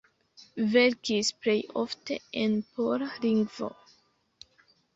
Verkis plej ofte en pola lingvo.